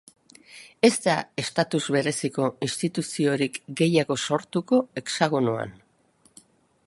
Ez da estatus bereziko instituziorik gehiago sortuko Hexagonoan.